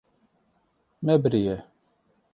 Me biriye.